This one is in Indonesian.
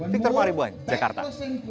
victor mariboy jakarta